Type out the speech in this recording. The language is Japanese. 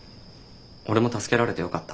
俺も助けられてよかった。